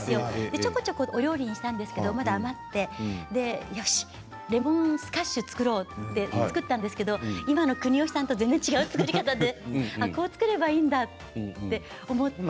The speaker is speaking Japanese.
ちょこちょこお料理にしていたんですけど、まだ余ってよし、レモンスカッシュを作ろうって、作ったんですけど今の国吉さんと全然違う作り方でこう作ればいいんだと思って。